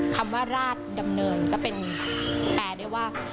คำว่าราชดำเนินก็เป็นแปลได้ว่า